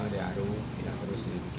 di aru di aru